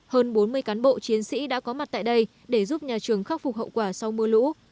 hơn bốn mươi cán bộ chiến sĩ đã có mặt tại đây để giúp nhà trường khắc phục hậu quả sau mưa lũ